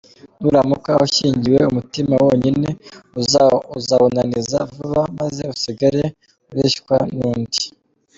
Nuramuka ushyingiwe umutima wonyine, uzawunaniza vuba maze usigare ureshywa nundi.